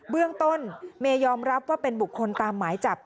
เบื้องต้นเมย์ยอมรับว่าเป็นบุคคลตามหมายจับ